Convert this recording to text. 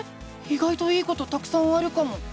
いがいといいことたくさんあるかも！